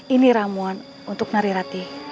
ini ramuan untuk nari rati